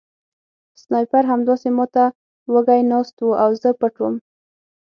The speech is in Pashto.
سنایپر همداسې ما ته وږی ناست و او زه پټ وم